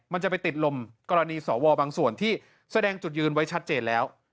มันจะไปติดลมกรณีสวบางส่วนที่แสดงจุดยืนไว้ชัดเจนแล้ว